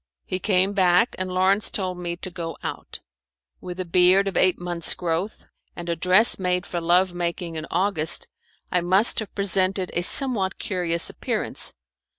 He came back, and Lawrence told me to go out. With a beard of eight months' growth, and a dress made for love making in August, I must have presented a somewhat curious appearance.